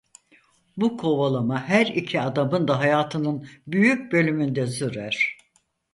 Bu kovalama her iki adamın da hayatının büyük bölümünde sürer.